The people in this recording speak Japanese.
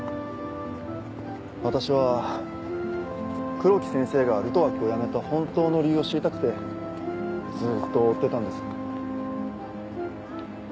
私は黒木先生がルトワックを辞めた本当の理由を知りたくてずっと追ってたんです。